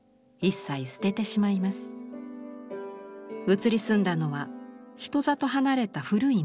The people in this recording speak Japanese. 移り住んだのは人里離れた古い民家。